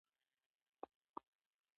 باران د افغان ځوانانو د هیلو استازیتوب کوي.